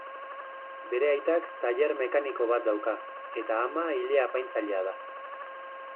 Bere aitak tailer mekaniko bat dauka, eta ama ile-apaintzailea da.